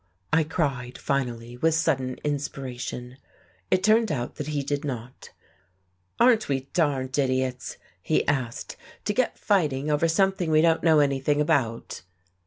I cried finally, with sudden inspiration. It turned out that he did not. "Aren't we darned idiots," he asked, "to get fighting over something we don't know anything about?"